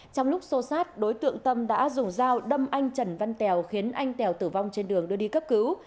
trong lúc xô xát đối tượng tâm đã dùng dao đâm anh trần văn tèo khiến anh tèo tử vong trên đường đưa đi cấp cứu